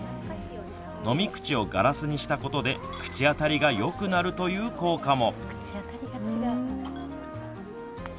飲み口をガラスにしたことで口当たりがよくなるという効果も。